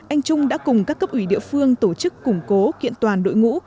anh trung đã cùng các cấp ủy địa phương tổ chức củng cố kiện toàn đội ngũ